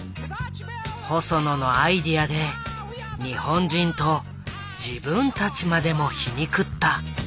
細野のアイデアで日本人と自分たちまでも皮肉った。